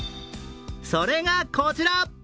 それがこちら。